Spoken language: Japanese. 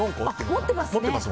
持ってますね。